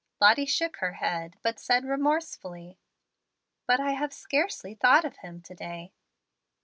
Lottie shook her head, but said remorsefully, "But I have scarcely thought of Him to day."